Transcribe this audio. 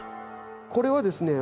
これはですね